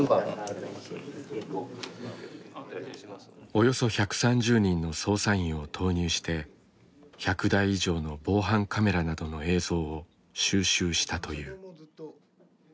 およそ１３０人の捜査員を投入して１００台以上の防犯カメラなどの映像を収集したという。